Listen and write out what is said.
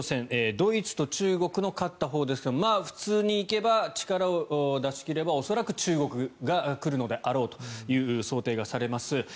ドイツと中国の勝ったほうですがまあ普通に行けば力を出し切れば、恐らく中国が来るのであろうという想定がされます。